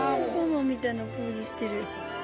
みたいなポーズしてる。